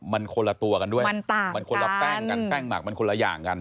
มันคนละตัวกันด้วยมันต่างมันคนละแป้งกันแป้งหมักมันคนละอย่างกัน